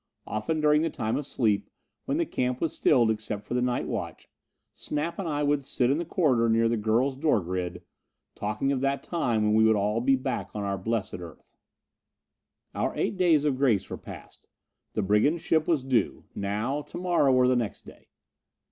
Often during the time of sleep, when the camp was stilled except for the night watch, Snap and I would sit in the corridor near the girls' door grid, talking of that time when we would all be back on our blessed Earth. Our eight days of grace were passed. The brigand ship was due now, to morrow, or the next day.